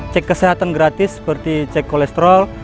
cek kesehatan gratis seperti cek kolesterol